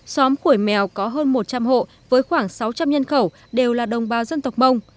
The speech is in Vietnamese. xóm phủi mèo có hơn một trăm linh hộ với khoảng sáu trăm linh nhân khẩu đều là đồng bào dân tộc mông